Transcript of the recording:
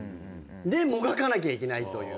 でもがかなきゃいけないという。